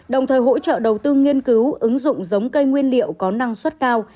đồng thời hỗ trợ đầu tư nghiên cứu ứng dụng giống cây nguyên liệu có năng suất cao